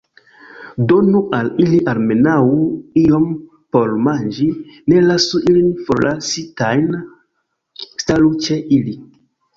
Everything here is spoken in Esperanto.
Donu al ili almenaŭ iom por manĝi; ne lasu ilin forlasitajn; staru ĉe ili!